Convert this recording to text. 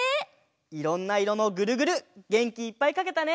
いろんないろのグルグルげんきいっぱいかけたね。